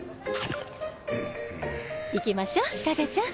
行きましょカゲちゃん。